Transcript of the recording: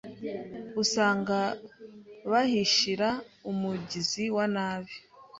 usanga bahishira umugizi wa nabi,